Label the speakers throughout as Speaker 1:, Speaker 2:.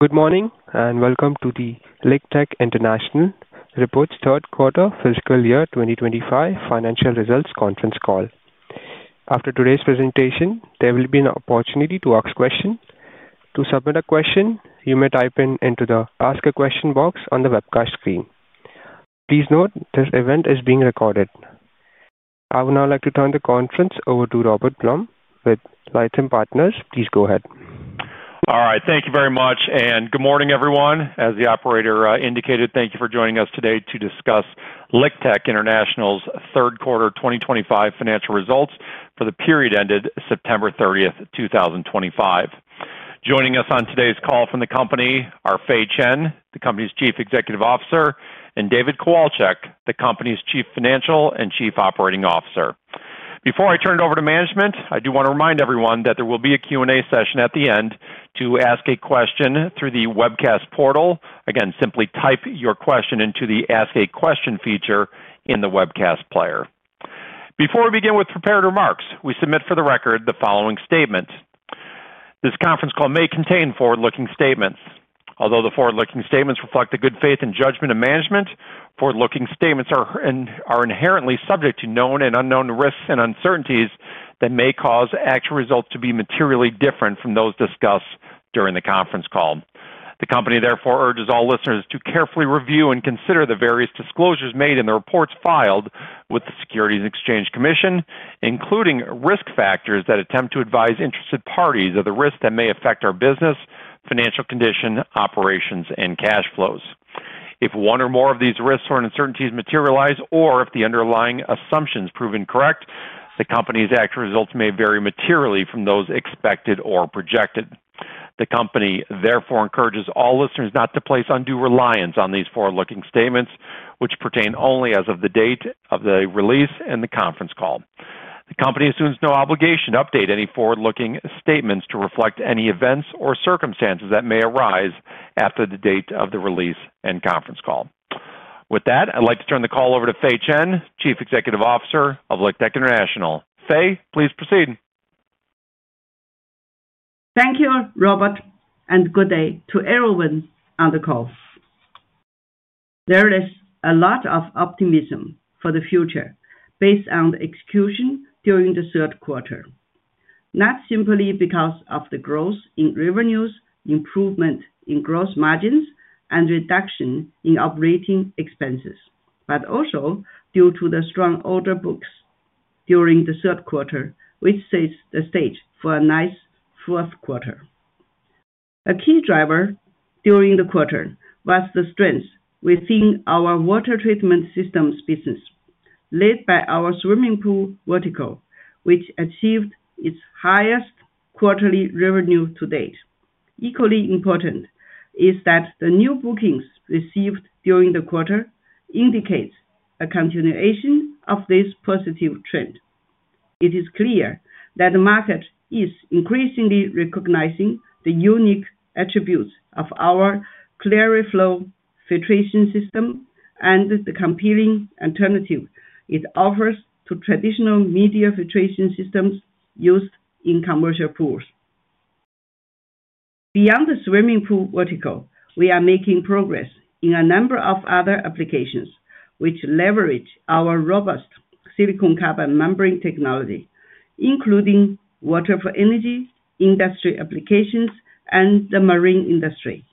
Speaker 1: Good morning and welcome to the LiqTech International reports third quarter fiscal year 2025 financial results conference call. After today's presentation, there will be an opportunity to ask questions. To submit a question, you may type it into the Ask a Question box on the webcast screen. Please note this event is being recorded. I would now like to turn the conference over to Robert Blum with LiqTech International. Please go ahead.
Speaker 2: All right. Thank you very much. Good morning, everyone. As the operator indicated, thank you for joining us today to discuss LiqTech International's third quarter 2025 financial results for the period ended September 30th, 2025. Joining us on today's call from the company are Fei Chen, the company's Chief Executive Officer, and David Kowalczyk, the company's Chief Financial and Chief Operating Officer. Before I turn it over to management, I do want to remind everyone that there will be a Q&A session at the end to ask a question through the webcast portal. Again, simply type your question into the Ask a Question feature in the webcast player. Before we begin with prepared remarks, we submit for the record the following statement: This conference call may contain forward-looking statements. Although the forward-looking statements reflect the good faith and judgment of management, forward-looking statements are inherently subject to known and unknown risks and uncertainties that may cause actual results to be materially different from those discussed during the conference call. The company, therefore, urges all listeners to carefully review and consider the various disclosures made in the reports filed with the Securities and Exchange Commission, including risk factors that attempt to advise interested parties of the risks that may affect our business, financial condition, operations, and cash flows. If one or more of these risks or uncertainties materialize, or if the underlying assumptions prove incorrect, the company's actual results may vary materially from those expected or projected. The company, therefore, encourages all listeners not to place undue reliance on these forward-looking statements, which pertain only as of the date of the release and the conference call. The company assumes no obligation to update any forward-looking statements to reflect any events or circumstances that may arise after the date of the release and conference call. With that, I'd like to turn the call over to Fei Chen, Chief Executive Officer of LiqTech International. Fei, please proceed.
Speaker 3: Thank you, Robert, and good day to everyone on the call. There is a lot of optimism for the future based on the execution during the third quarter, not simply because of the growth in revenues, improvement in gross margins, and reduction in operating expenses, but also due to the strong order books during the third quarter, which sets the stage for a nice fourth quarter. A key driver during the quarter was the strength within our water treatment systems business, led by our swimming pool vertical, which achieved its highest quarterly revenue to date. Equally important is that the new bookings received during the quarter indicate a continuation of this positive trend. It is clear that the market is increasingly recognizing the unique attributes of our clearer flow filtration system and the compelling alternative it offers to traditional media filtration systems used in commercial pools. Beyond the swimming pool vertical, we are making progress in a number of other applications, which leverage our robust silicon carbon membrane technology, including water for energy, industry applications, and the marine industry.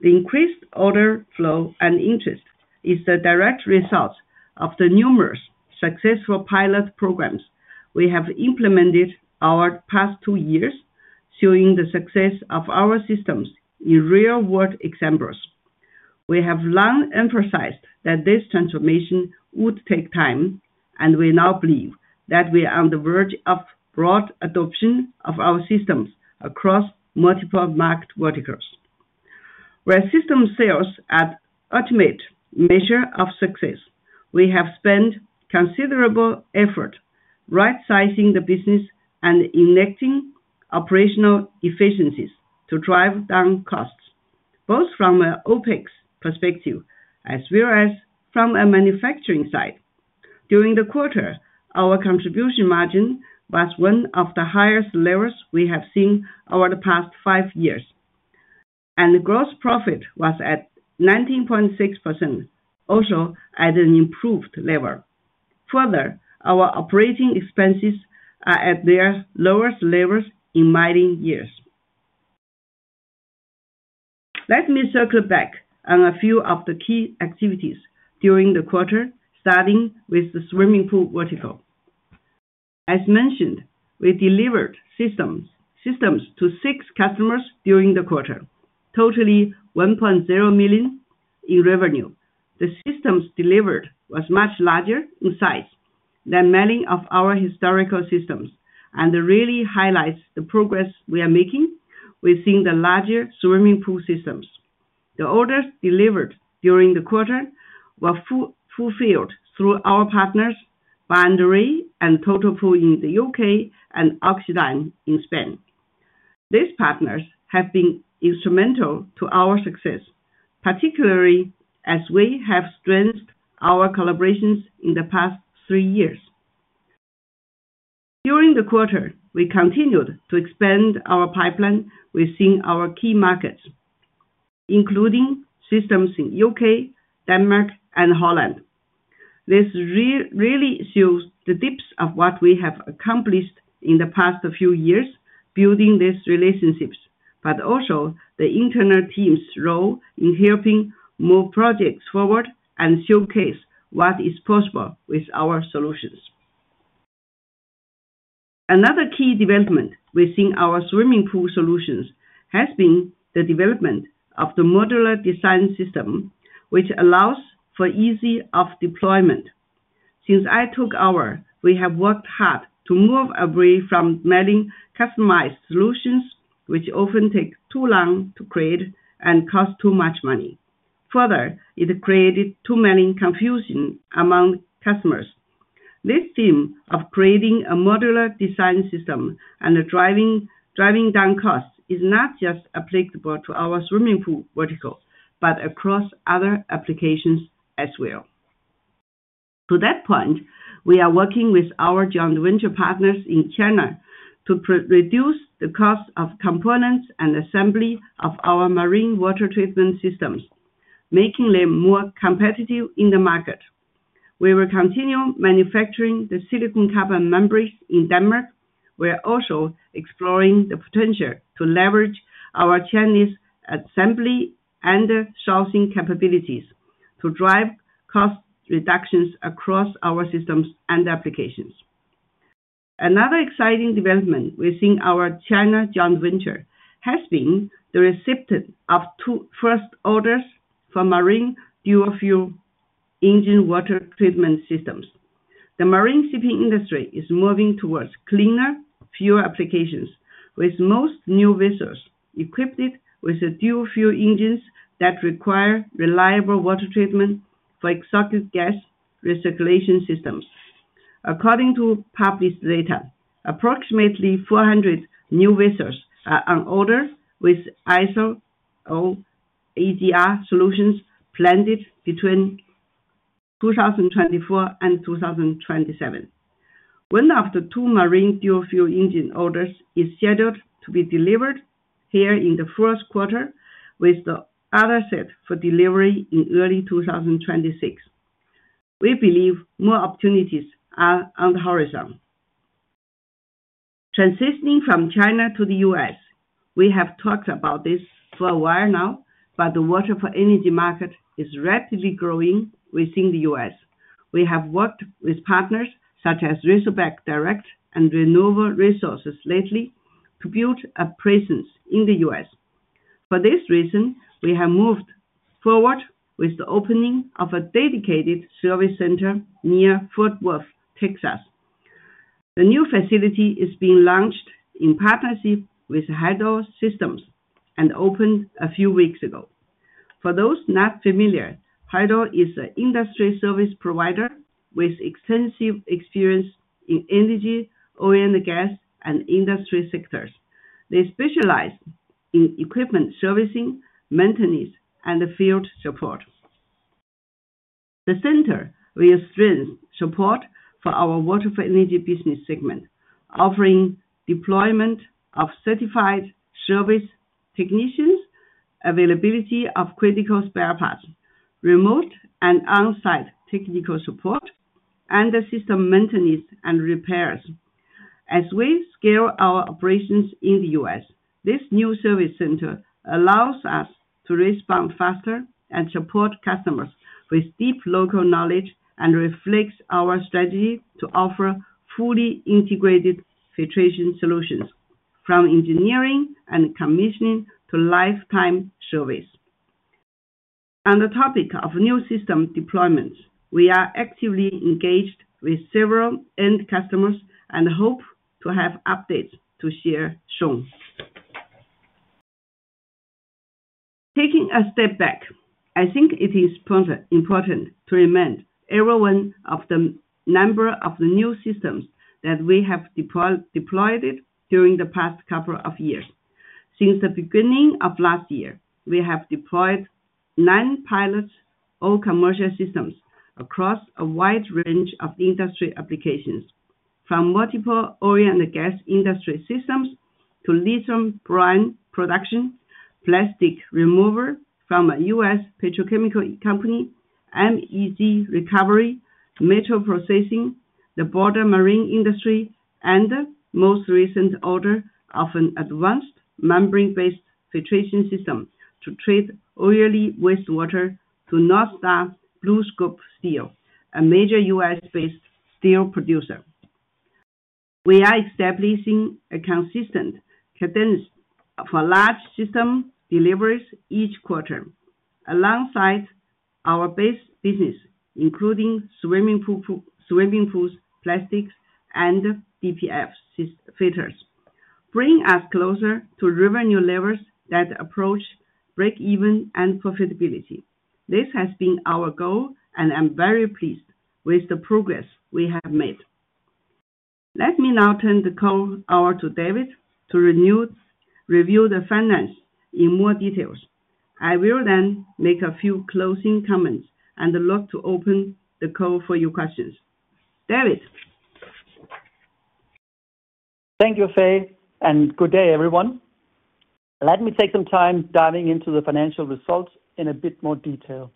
Speaker 3: The increased order flow and interest is the direct result of the numerous successful pilot programs we have implemented over the past two years, showing the success of our systems in real-world examples. We have long emphasized that this transformation would take time, and we now believe that we are on the verge of broad adoption of our systems across multiple market verticals. Where system sales are the ultimate measure of success, we have spent considerable effort right-sizing the business and enacting operational efficiencies to drive down costs, both from an OpEx perspective as well as from a manufacturing side. During the quarter, our contribution margin was one of the highest levels we have seen over the past five years, and the gross profit was at 19.6%, also at an improved level. Further, our operating expenses are at their lowest levels in many years. Let me circle back on a few of the key activities during the quarter, starting with the swimming pool vertical. As mentioned, we delivered systems to six customers during the quarter, totaling $1.0 million in revenue. The systems delivered were much larger in size than many of our historical systems, and it really highlights the progress we are making within the larger swimming pool systems. The orders delivered during the quarter were fulfilled through our partners, Banbury and Total Pool in the U.K. and OXIDINE in Spain. These partners have been instrumental to our success, particularly as we have strengthened our collaborations in the past three years. During the quarter, we continued to expand our pipeline within our key markets, including systems in the U.K., Denmark, and Holland. This really shows the depth of what we have accomplished in the past few years building these relationships, but also the internal team's role in helping move projects forward and showcase what is possible with our solutions. Another key development within our swimming pool solutions has been the development of the modular design system, which allows for ease of deployment. Since I took over, we have worked hard to move away from many customized solutions, which often take too long to create and cost too much money. Further, it created too many confusions among customers. This theme of creating a modular design system and driving down costs is not just applicable to our swimming pool vertical, but across other applications as well. To that point, we are working with our joint venture partners in China to reduce the cost of components and assembly of our marine water treatment systems, making them more competitive in the market. We will continue manufacturing the silicon carbon membranes in Denmark. We are also exploring the potential to leverage our Chinese assembly and sourcing capabilities to drive cost reductions across our systems and applications. Another exciting development within our China joint venture has been the reception of two first orders for marine dual-fuel engine water treatment systems. The marine shipping industry is moving towards cleaner, fewer applications, with most new vessels equipped with dual-fuel engines that require reliable water treatment for exhaust gas recirculation systems. According to published data, approximately 400 new vessels are on order with ISO EGR solutions planned between 2024 and 2027. One of the two marine dual-fuel engine orders is scheduled to be delivered here in the first quarter, with the other set for delivery in early 2026. We believe more opportunities are on the horizon. Transitioning from China to the U.S., we have talked about this for a while now, but the water for energy market is rapidly growing within the U.S. We have worked with partners such as Razorback Direct and Renewable Resources lately to build a presence in the U.S. For this reason, we have moved forward with the opening of a dedicated service center near Fort Worth, Texas. The new facility is being launched in partnership with Hydro Systems and opened a few weeks ago. For those not familiar, Hydro is an industry service provider with extensive experience in energy, oil and gas, and industry sectors. They specialize in equipment servicing, maintenance, and field support. The center will strengthen support for our water for energy business segment, offering deployment of certified service technicians, availability of critical spare parts, remote and on-site technical support, and system maintenance and repairs. As we scale our operations in the U.S., this new service center allows us to respond faster and support customers with deep local knowledge and reflects our strategy to offer fully integrated filtration solutions, from engineering and commissioning to lifetime service. On the topic of new system deployments, we are actively engaged with several end customers and hope to have updates to share soon. Taking a step back, I think it is important to remind everyone of the number of new systems that we have deployed during the past couple of years. Since the beginning of last year, we have deployed nine pilots, all commercial systems, across a wide range of industry applications, from multiple oil and gas industry systems to lithium brine production, plastic removal from a U.S. petrochemical company, MEG recovery, metal processing, the broader marine industry, and the most recent order of an advanced membrane-based filtration system to treat oily wastewater to North Star BlueScope Steel, a major U.S.-based steel producer. We are establishing a consistent cadence for large system deliveries each quarter alongside our base business, including swimming pools, plastics, and DPF filters, bringing us closer to revenue levels that approach break-even and profitability. This has been our goal, and I'm very pleased with the progress we have made. Let me now turn the call over to David to review the finance in more details. I will then make a few closing comments and look to open the call for your questions. David.
Speaker 4: Thank you, Fei, and good day, everyone. Let me take some time diving into the financial results in a bit more detail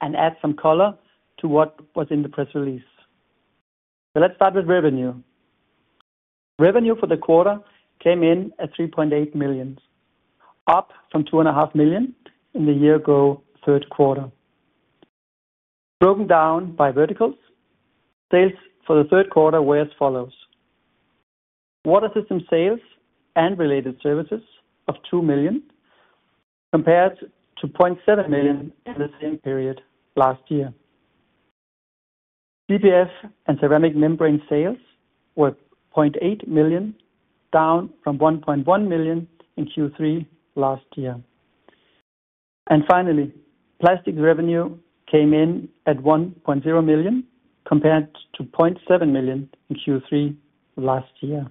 Speaker 4: and add some color to what was in the press release. Let's start with revenue. Revenue for the quarter came in at $3.8 million, up from $2.5 million in the year-ago third quarter. Broken down by verticals, sales for the third quarter were as follows: water system sales and related services of $2 million compared to $0.7 million in the same period last year. DPF and ceramic membrane sales were $0.8 million, down from $1.1 million in Q3 last year. Finally, plastics revenue came in at $1.0 million compared to $0.7 million in Q3 last year.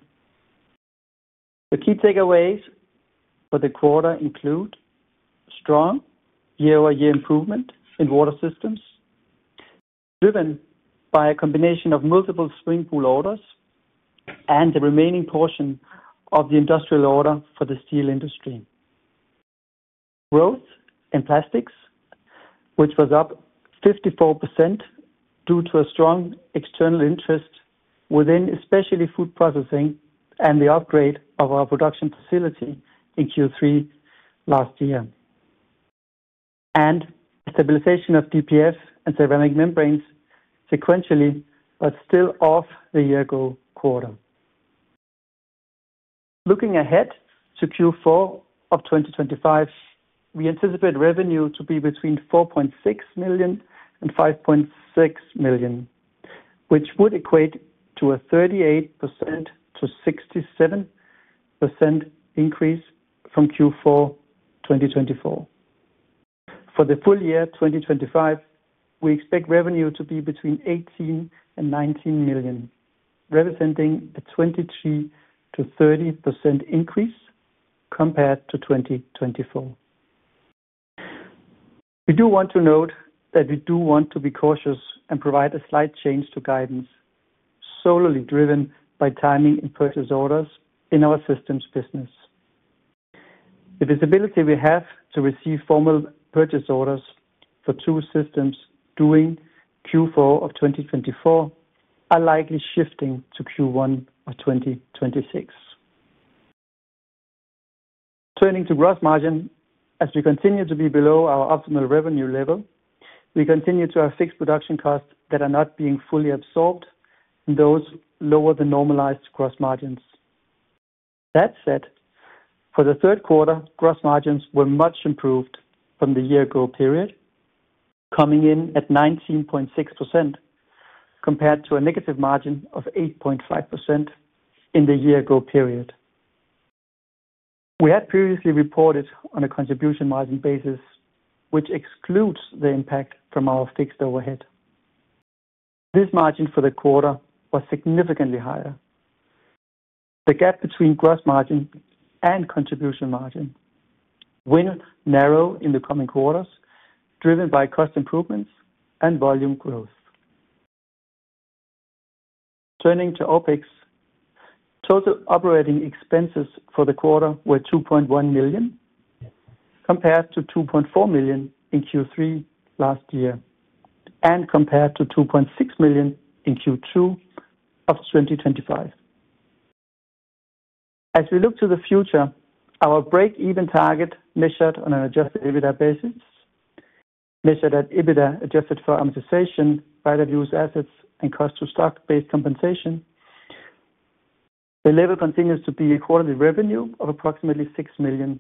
Speaker 4: The key takeaways for the quarter include strong year-over-year improvement in water systems driven by a combination of multiple swimming pool orders and the remaining portion of the industrial order for the steel industry. Growth in plastics, which was up 54% due to a strong external interest within especially food processing and the upgrade of our production facility in Q3 last year, and stabilization of DPF and ceramic membranes sequentially, but still off the year-ago quarter. Looking ahead to Q4 of 2025, we anticipate revenue to be between $4.6 million and $5.6 million, which would equate to a 38%-67% increase from Q4 2024. For the full year 2025, we expect revenue to be between $18 million and $19 million, representing a 23%-30% increase compared to 2024. We do want to note that we do want to be cautious and provide a slight change to guidance, solely driven by timing and purchase orders in our systems business. The visibility we have to receive formal purchase orders for two systems during Q4 of 2024 are likely shifting to Q1 of 2026. Turning to gross margin, as we continue to be below our optimal revenue level, we continue to have fixed production costs that are not being fully absorbed and those lower than normalized gross margins. That said, for the third quarter, gross margins were much improved from the year-ago period, coming in at 19.6% compared to a negative margin of 8.5% in the year-ago period. We had previously reported on a contribution margin basis, which excludes the impact from our fixed overhead. This margin for the quarter was significantly higher. The gap between gross margin and contribution margin will narrow in the coming quarters, driven by cost improvements and volume growth. Turning to OpEx, total operating expenses for the quarter were $2.1 million compared to $2.4 million in Q3 last year and compared to $2.6 million in Q2 of 2025. As we look to the future, our break-even target measured on an adjusted EBITDA basis, measured at EBITDA adjusted for amortization, right-of-use assets, and cost-to-stock-based compensation, the level continues to be a quarterly revenue of approximately $6 million.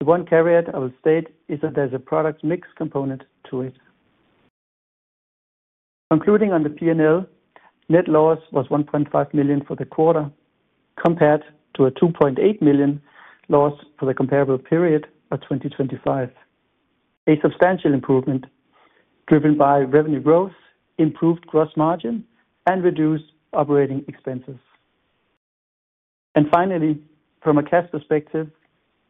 Speaker 4: The one caveat I will state is that there's a product mix component to it. Concluding on the P&L, net loss was $1.5 million for the quarter compared to a $2.8 million loss for the comparable period of 2025, a substantial improvement driven by revenue growth, improved gross margin, and reduced operating expenses. Finally, from a cash perspective,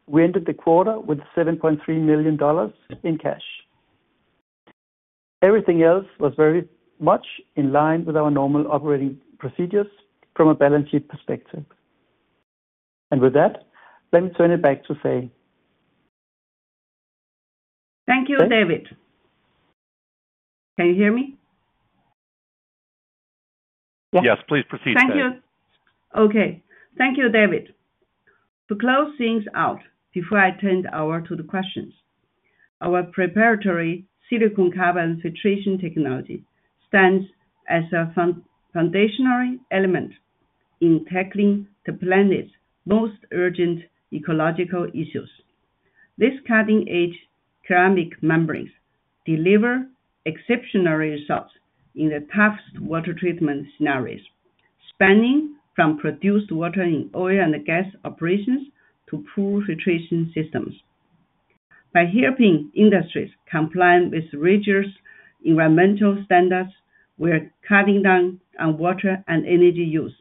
Speaker 4: we ended the quarter with $7.3 million in cash. Everything else was very much in line with our normal operating procedures from a balance sheet perspective. With that, let me turn it back to Fei.
Speaker 3: Thank you, David. Can you hear me?
Speaker 4: Yes, please proceed.
Speaker 3: Thank you. Okay. Thank you, David. To close things out before I turn the hour to the questions, our preparatory silicon carbon filtration technology stands as a foundational element in tackling the planet's most urgent ecological issues. These cutting-edge ceramic membranes deliver exceptional results in the toughest water treatment scenarios, spanning from produced water in oil and gas operations to pool filtration systems. By helping industries comply with rigorous environmental standards while cutting down on water and energy use,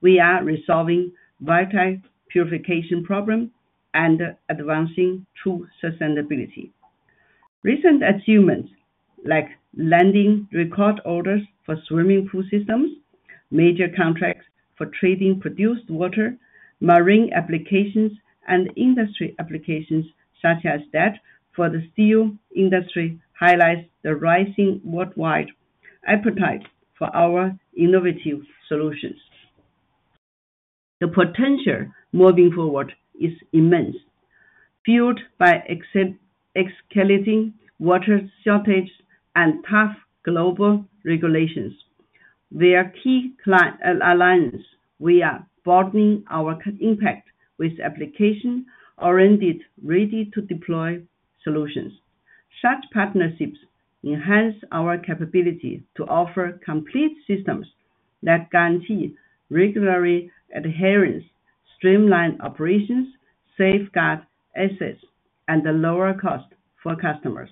Speaker 3: we are resolving vital purification problems and advancing true sustainability. Recent achievements, like landing record orders for swimming pool systems, major contracts for treating produced water, marine applications, and industry applications such as that for the steel industry, highlight the rising worldwide appetite for our innovative solutions. The potential moving forward is immense, fueled by escalating water shortage and tough global regulations. With our key client alliance, we are broadening our impact with application-oriented, ready-to-deploy solutions. Such partnerships enhance our capability to offer complete systems that guarantee regular adherence, streamline operations, safeguard assets, and lower costs for customers.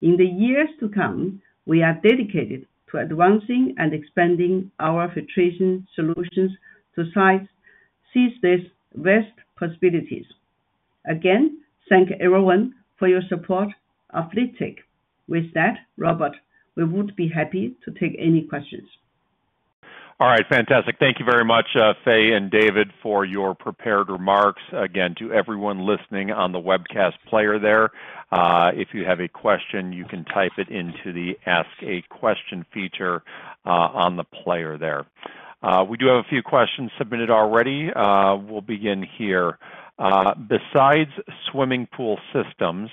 Speaker 3: In the years to come, we are dedicated to advancing and expanding our filtration solutions to seize these best possibilities. Again, thank everyone for your support of LiqTech. With that, Robert, we would be happy to take any questions.
Speaker 2: All right. Fantastic. Thank you very much, Fei and David, for your prepared remarks. Again, to everyone listening on the webcast player there, if you have a question, you can type it into the Ask a Question feature on the player there. We do have a few questions submitted already. We'll begin here. Besides swimming pool systems,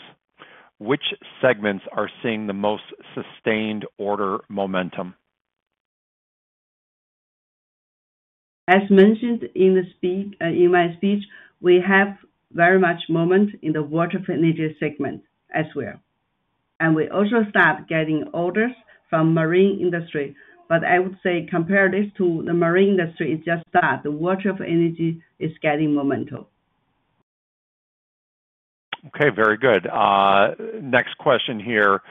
Speaker 2: which segments are seeing the most sustained order momentum?
Speaker 3: As mentioned in my speech, we have very much momentum in the water for energy segment as well. We also start getting orders from marine industry. I would say compared to the marine industry, it is just start. The water for energy is getting momentum.
Speaker 2: Okay. Very good. Next question here.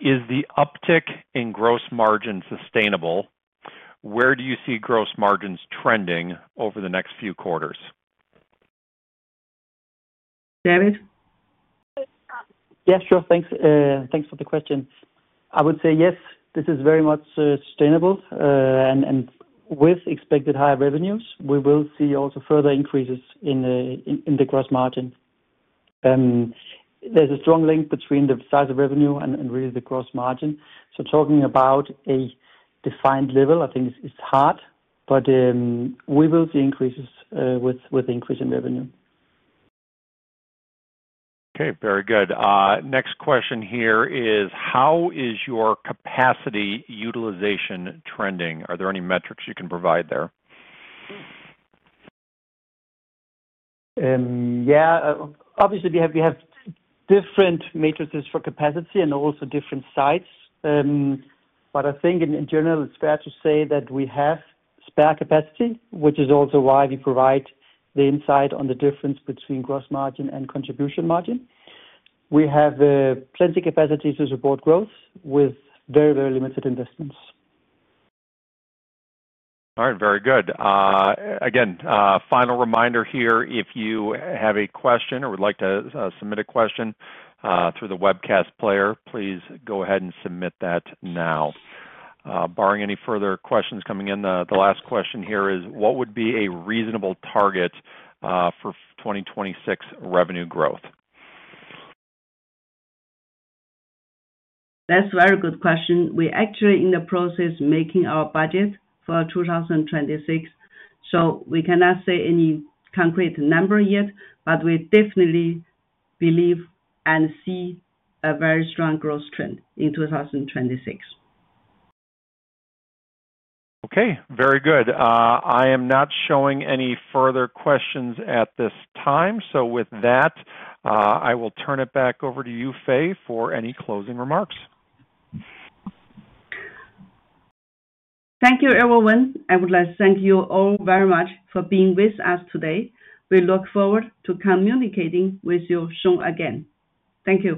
Speaker 2: Is the uptick in gross margin sustainable? Where do you see gross margins trending over the next few quarters?
Speaker 3: David?
Speaker 4: Yes, sure. Thanks for the question. I would say yes, this is very much sustainable. And with expected higher revenues, we will see also further increases in the gross margin. There is a strong link between the size of revenue and really the gross margin. Talking about a defined level, I think it is hard, but we will see increases with increase in revenue.
Speaker 2: Okay. Very good. Next question here is, how is your capacity utilization trending? Are there any metrics you can provide there?
Speaker 4: Yeah. Obviously, we have different matrices for capacity and also different sites. I think in general, it's fair to say that we have spare capacity, which is also why we provide the insight on the difference between gross margin and contribution margin. We have plenty of capacity to support growth with very, very limited investments.
Speaker 2: All right. Very good. Again, final reminder here, if you have a question or would like to submit a question through the webcast player, please go ahead and submit that now. Barring any further questions coming in, the last question here is, what would be a reasonable target for 2026 revenue growth?
Speaker 3: That's a very good question. We're actually in the process of making our budget for 2026, so we cannot say any concrete number yet, but we definitely believe and see a very strong growth trend in 2026.
Speaker 2: Okay. Very good. I am not showing any further questions at this time. With that, I will turn it back over to you, Fei, for any closing remarks.
Speaker 3: Thank you, everyone. I would like to thank you all very much for being with us today. We look forward to communicating with you soon again. Thank you.